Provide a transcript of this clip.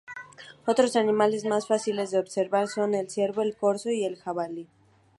Otros animales más fáciles de observar son el ciervo, el corzo o el jabalí.